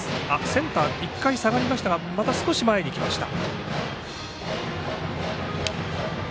センターは１回下がりましたが少し前に来ました。